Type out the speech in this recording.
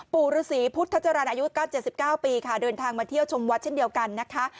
ปู่ฤษีพุทธจรรย์อายุ๙๗๙ปีค่ะเดินทางมาเที่ยวชมวัดเช่นเดียวกันนะคะ